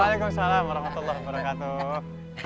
waalaikumsalam warahmatullahi wabarakatuh